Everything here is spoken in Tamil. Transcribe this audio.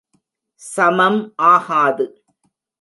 சமம் ஆகாது